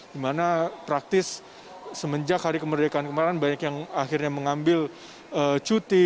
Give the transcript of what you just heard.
dimana praktis semenjak hari kemerdekaan kemarin banyak yang akhirnya mengambil cuti